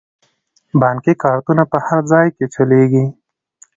بانکي کارتونه په هر ځای کې چلیږي.